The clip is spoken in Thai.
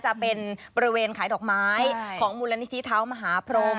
จะเป็นบริเวณขายดอกไม้ของมูลนิธิเท้ามหาพรม